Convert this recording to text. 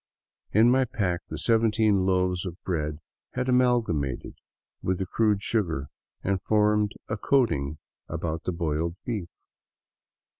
In my pack the seventeen loaves of bread had amalgamated with the crude sugar and formed a coating about the boiled beef.